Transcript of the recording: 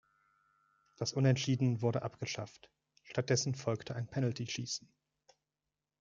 Das Unentschieden wurde abgeschafft, stattdessen folgte ein Penaltyschießen.